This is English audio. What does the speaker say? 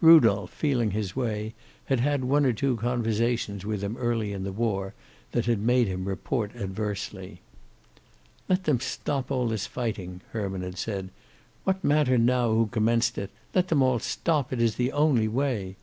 Rudolph, feeling his way, had had one or two conversations with him early in the war that had made him report adversely. "Let them stop all this fighting," Herman had said. "What matter now who commenced it? Let them all stop. It is the only way."